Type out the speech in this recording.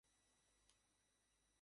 ছেলেদের গা ধুইয়ে দিয়েছেন।